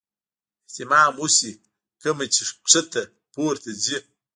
اهتمام اوشي کومه چې ښکته پورته ځي -